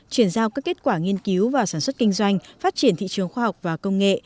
chuyển giao các kết quả nghiên cứu và sản xuất kinh doanh phát triển thị trường khoa học và công nghệ